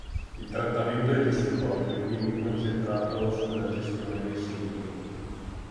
Il trattamento è di supporto e quindi concentrato sulla gestione dei sintomi.